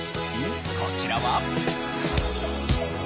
こちらは。